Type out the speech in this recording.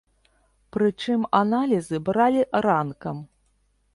Прычым аналізы бралі ранкам.